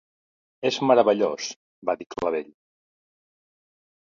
"És meravellós", va dir Clavell.